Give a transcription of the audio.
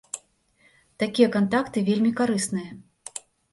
Такія кантакты вельмі карысныя.